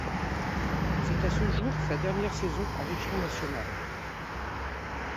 C'est à ce jour sa dernière saison à l'échelon national.